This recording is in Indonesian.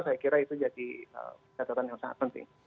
saya kira itu jadi catatan yang sangat penting